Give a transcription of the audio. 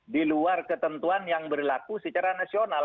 di luar ketentuan yang berlaku secara nasional